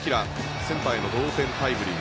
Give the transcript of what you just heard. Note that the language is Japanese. センターへの同点タイムリー。